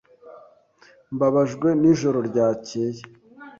Mbabajwe nijoro ryakeye.